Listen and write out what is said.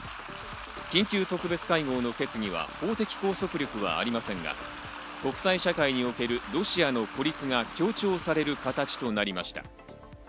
緊急特別会合の決議は法的拘束力はありませんが、国際社会におけるロシアの孤立が強調される形となりました。